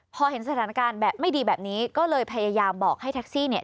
พอเห็นสถานการณ์แบบไม่ดีแบบนี้ก็เลยพยายามบอกให้แท็กซี่เนี่ย